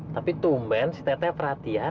tapi tumben si teh teh perhatian